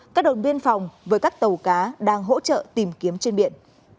các đồn biên phòng với các tàu cá đang hỗ trợ tìm kiếm trên biển